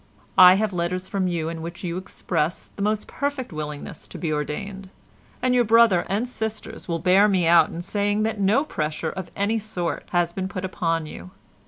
I have letters from you in which you express the most perfect willingness to be ordained, and your brother and sisters will bear me out in saying that no pressure of any sort has been put upon you.